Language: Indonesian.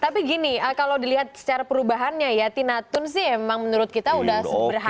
tapi gini kalau dilihat secara perubahannya ya tina tun sih memang menurut kita sudah berhasil